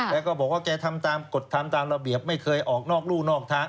แล้วก็บอกว่าแกทำตามกฎทำตามระเบียบไม่เคยออกนอกรู่นอกทาง